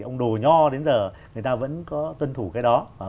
ông đồ nho đến giờ người ta vẫn có tuân thủ cái đó